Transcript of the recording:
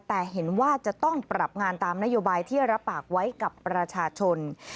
แต่เห็นว่าจะต้องปรับงานตามนโยบายที่รับปากไว้กับประชาชน